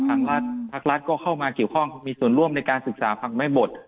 ภาครัฐก็เข้ามาเกี่ยวข้องมีส่วนร่วมในการศึกษาฟังไม่หมด